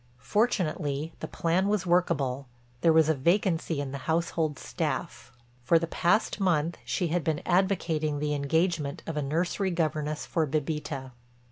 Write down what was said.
Fortunately the plan was workable; there was a vacancy in the household staff. For the past month she had been advocating the engagement of a nursery governess for Bébita.